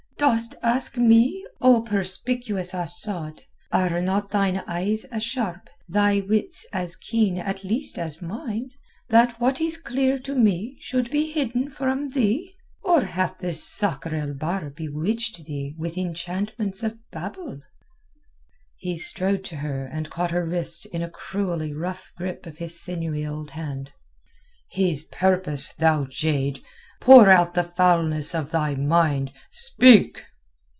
"Dost ask me, O perspicuous Asad? Are not thine eyes as sharp, thy wits as keen at least as mine, that what is clear to me should be hidden from thee? Or hath this Sakr el Bahr bewitched thee with enchantments of Babyl?" He strode to her and caught her wrist in a cruelly rough grip of his sinewy old hand. "His purpose, thou jade! Pour out the foulness of thy mind. Speak!"